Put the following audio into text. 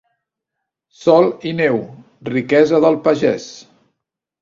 Sol i neu, riquesa del pagès.